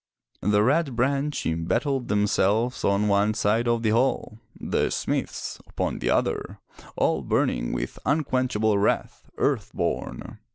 The Red Branch embattled themselves on one side of the hall, the smiths upon the other, all burning with unquenchable wrath, earth born.